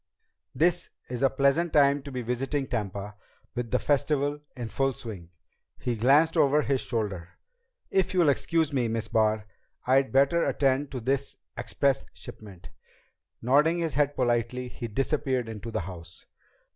This is a pleasant time to be visiting Tampa, with the Festival in full swing." He glanced over his shoulder. "If you'll excuse me, Miss Barr, I'd better attend to this express shipment." Nodding his head politely, he disappeared into the house.